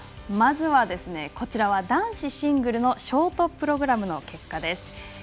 まずこちらは男子シングルのショートプログラムの結果です。